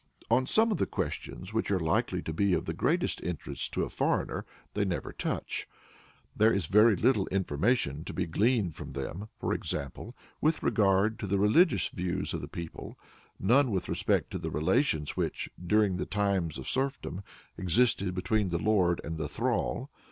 On some of the questions which are likely to be of the greatest interest to a foreigner they never touch. There is very little information to be gleaned from them, for instance, with regard to the religious views of the people, none with respect to the relations which, during the times of serfdom, existed between the lord and the thrall.